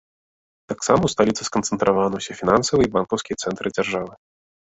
Таксама ў сталіцы сканцэнтраваны ўсе фінансавыя і банкаўскія цэнтры дзяржавы.